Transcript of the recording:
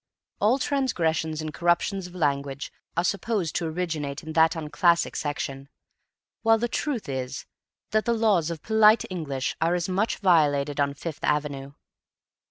All transgressions and corruptions of language are supposed to originate in that unclassic section, while the truth is that the laws of polite English are as much violated on Fifth Avenue.